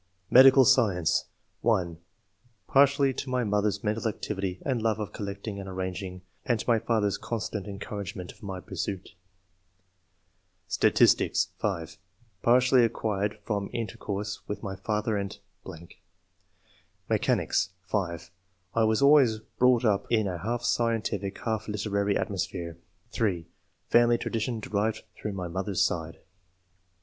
Medical Science. — (1) [Partly] to my mother's mental activity and love of collecting and arranging, and to my father's constant en couragement of my pursuit. Stati9tio8.~{5) [Partly] acquired from inter course with mr father and .... brought up III.] ORIGIN OF TASTE FOR SCIENCE. 211 in a half scientific, half literary atmosphere. (3) Family tradition derived through my mother's side.